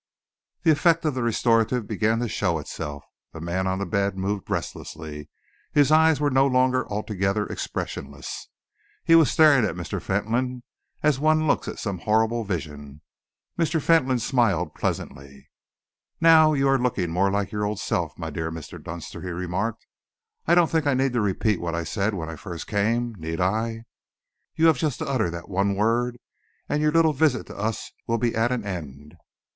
The effect of the restorative began to show itself. The man on the bed moved restlessly. His eyes were no longer altogether expressionless. He was staring at Mr. Fentolin as one looks at some horrible vision. Mr. Fentolin smiled pleasantly. "Now you are looking more like your old self, my dear Mr. Dunster," he remarked. "I don't think that I need repeat what I said when I first came, need I? You have just to utter that one word, and your little visit to us will be at an end."